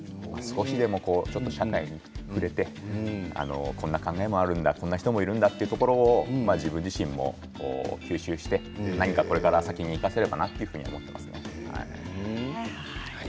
少しでも社会に触れて、こんな考えもあるんだ、こんな人もいるんだというところを自分自身も吸収して何かこれから先に生かせればなと思っていますね。